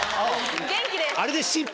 元気です。